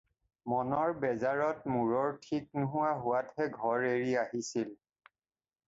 মনৰ বেজাৰত মূৰৰ ঠিক নোহোৱা হোৱাতহে ঘৰ এৰি আহিছিল।